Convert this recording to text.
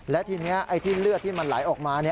และทีนี้ไอ้ที่เลือดที่มันไหลออกมา